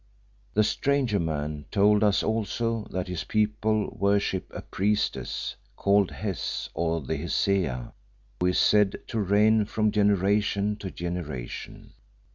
"The stranger man told us also that his people worship a priestess called Hes or the Hesea, who is said to reign from generation to generation.